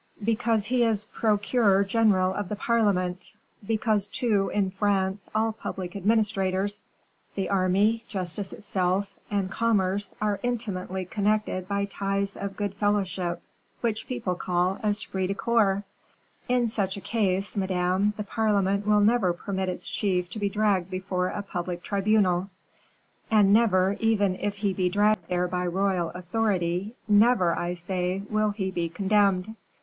"Because he is procureur general of the parliament; because, too, in France, all public administrators, the army, justice itself, and commerce, are intimately connected by ties of good fellowship, which people call esprit de corps. In such a case, madame, the parliament will never permit its chief to be dragged before a public tribunal; and never, even if he be dragged there by royal authority, never, I say, will he be condemned."